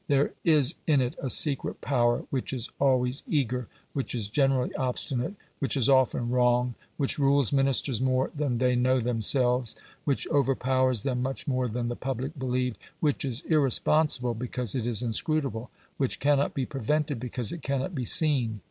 There is in it a secret power which is always eager, which is generally obstinate, which is often wrong, which rules Ministers more than they know themselves, which overpowers them much more than the public believe, which is irresponsible because it is inscrutable, which cannot be prevented because it cannot be seen.